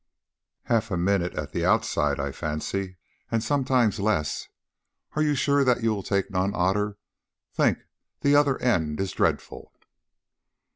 "Half a minute at the outside, I fancy, and sometimes less. Are you sure that you will take none, Otter? Think; the other end is dreadful."